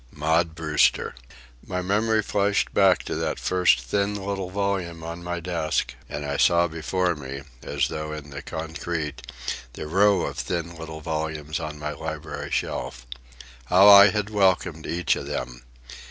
Maud Brewster! My memory flashed back to that first thin little volume on my desk, and I saw before me, as though in the concrete, the row of thin little volumes on my library shelf. How I had welcomed each of them!